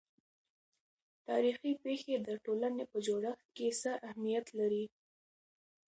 تاريخي پېښې د ټولنې په جوړښت کې څه اهمیت لري؟